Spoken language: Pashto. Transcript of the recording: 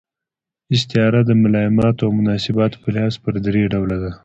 استعاره د ملایماتو او مناسباتو په لحاظ پر درې ډوله ده.